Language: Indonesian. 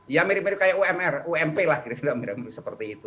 ya mirip mirip kayak umr ump lah kira kira mirip seperti itu